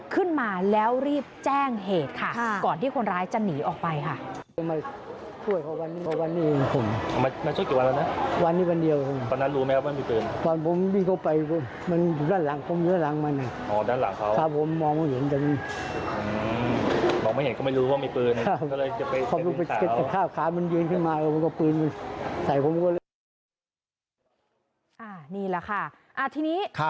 ขึ้นมาแล้วรีบแจ้งเหตุค่ะก่อนที่คนร้ายจะหนีออกไปค่ะ